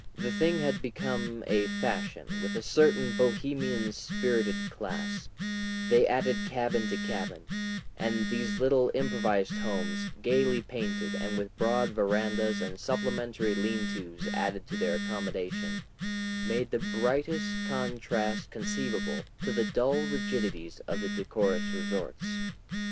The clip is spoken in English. The thing had become a fashion with a certain Bohemian spirited class; they added cabin to cabin, and these little improvised homes, gaily painted and with broad verandas and supplementary leantos added to their accommodation, made the brightest contrast conceivable to the dull rigidities of the decorous resorts.